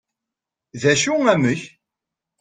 d acu amek?